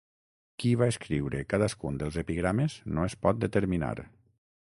Qui va escriure cadascun dels epigrames no es pot determinar.